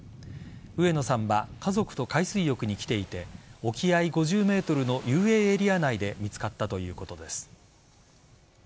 上野さんは家族と海水浴に来ていて沖合５０ｍの遊泳エリア内で見つかったということです。